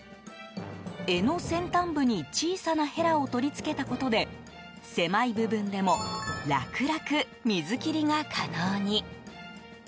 柄の先端部に小さなヘラを取り付けたことで狭い部分でも楽々、水切りが可能に。